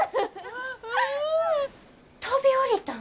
飛び降りたん！？